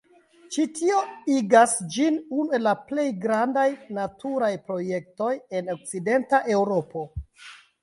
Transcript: Ĉi tio igas ĝin unu el la plej grandaj naturaj projektoj en Okcidenta Eŭropo.